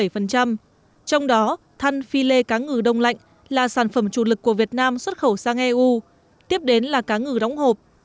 trong đó than phi lê cá ngừ đông lạnh là sản phẩm chủ lực của việt nam xuất khẩu sang eu tiếp đến là cá ngừ đóng hộp